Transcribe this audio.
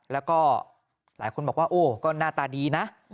แล้วก็หลายคนบอกว่าโอ้ก็หน้าตาดีนะ